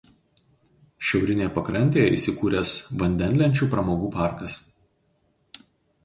Šiaurinėje pakrantėje įsikūręs vandenlenčių pramogų parkas.